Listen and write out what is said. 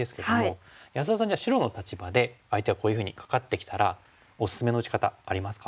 安田さんじゃあ白の立場で相手がこういうふうにカカってきたらおすすめの打ち方ありますか？